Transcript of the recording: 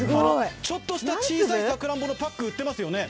ちょっとした小さいさくらんぼのパック売ってますよね